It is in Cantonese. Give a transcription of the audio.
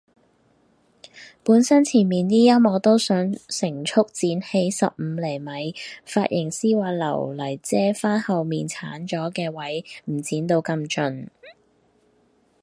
本身前面啲陰我都想成束剪起十五厘米，髮型師話留嚟遮返後面剷咗嘅位唔剪到咁盡